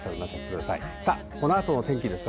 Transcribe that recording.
この後の天気です。